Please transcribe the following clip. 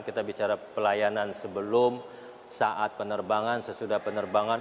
kita bicara pelayanan sebelum saat penerbangan sesudah penerbangan